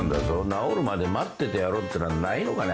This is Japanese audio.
治るまで待っててやろうってのはないのかね